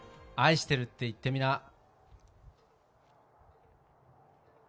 「愛してるって言ってみな」